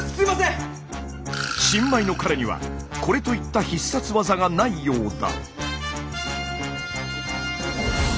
新米の彼にはこれといった必殺技がないようだ。